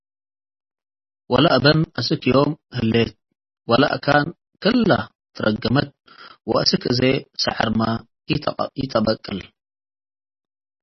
ወለእብን አስክ ዮም ሀሌ'ት፡ ወለአካን ክለ ትረ'ገመት ወአስክ አዜ ሰዐርመ ኢተአበቅ'ል።